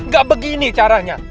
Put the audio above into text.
gak begini caranya